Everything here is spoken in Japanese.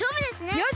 よし！